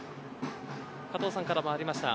加藤さんからもありました